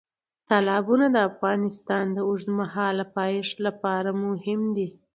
تالابونه د افغانستان د اوږدمهاله پایښت لپاره مهم دي.